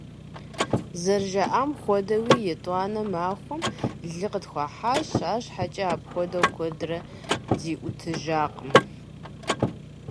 ЗэрыжаӀам хуэдэуи, етӀуанэ махуэм лы къытхуахьащ, арщхьэкӀэ апхуэдэу куэдрэ ди ӀутӀыжакъым.